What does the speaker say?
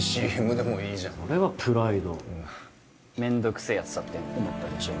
ＣＭでもいいじゃんそれはプライドうわめんどくせえやつだって思ったでしょ